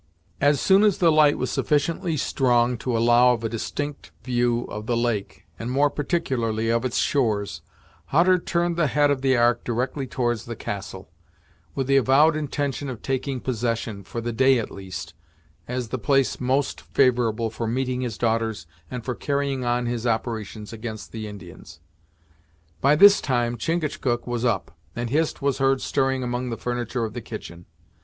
As soon as the light was sufficiently strong to allow of a distinct view of the lake, and more particularly of its shores, Hutter turned the head of the Ark directly towards the castle, with the avowed intention of taking possession, for the day at least, as the place most favorable for meeting his daughters and for carrying on his operations against the Indians. By this time, Chingachgook was up, and Hist was heard stirring among the furniture of the kitchen.